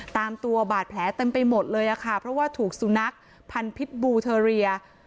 ตามตัวบาดแผลเต็มไปหมดเลยอะค่ะเพราะว่าถูกสุนัขพันธิ์บูเทอเรีย